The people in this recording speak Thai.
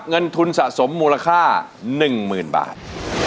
เงินทุนสะสมมูลค่า๑๐๐๐บาท